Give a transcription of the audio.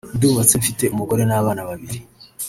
ndubatse mfite umugore n’abana babiri